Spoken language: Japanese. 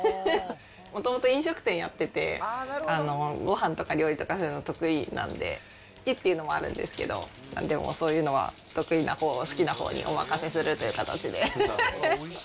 もともと飲食店やってて、ごはんとか料理とかするの得意なんで、好きっていうのもあるんですけど、なんでもそういうのは、得意なほう、好きなほうにお任せするという形で。